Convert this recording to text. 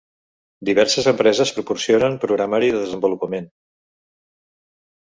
Diverses empreses proporcionen programari de desenvolupament.